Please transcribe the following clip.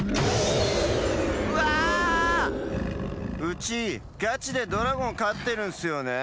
うちガチでドラゴンかってるんすよね。